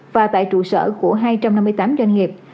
và tại trụ sở của hai trăm năm mươi tám doanh nghiệp